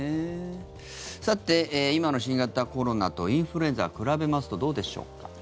さて、今の新型コロナとインフルエンザを比べますとどうでしょうか。